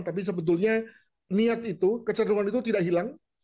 tapi sebetulnya niat itu kecenderungan itu tidak hilang